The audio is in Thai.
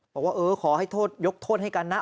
บอกว่าเออขอให้ยกโทษให้กันนะ